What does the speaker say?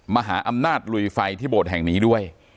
มหาอำนาจลุยไฟที่โบสถ์แห่งนี้ด้วย